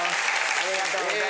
ありがとうございます。